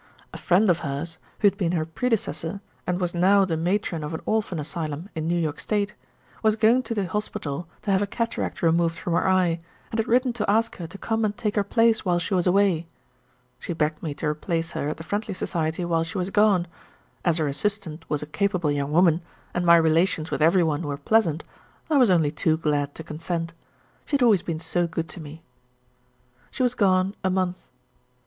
A friend of hers, who had been her predecessor, and was now the Matron of an Orphan Asylum in New York State, was going to the hospital to have a cataract removed from her eye, and had written to ask her to come and take her place while she was away. She begged me to replace her at the Friendly Society while she was gone. As her assistant was a capable young woman, and my relations with every one were pleasant I was only too glad to consent. She had always been so good to me. She was gone a month.